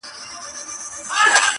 تاو یې دی له سره خو حریر خبري نه کوي,